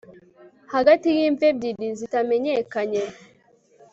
hagati y'imva ebyiri zitamenyekanye